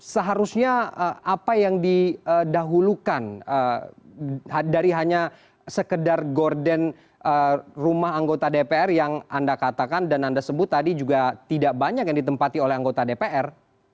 seharusnya apa yang didahulukan dari hanya sekedar gorden rumah anggota dpr yang anda katakan dan anda sebut tadi juga tidak banyak yang ditempati oleh anggota dpr